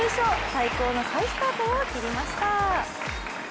最高の再スタートを切りました。